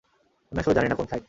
আমি আসলে জানি না, কোন ফ্লাইট।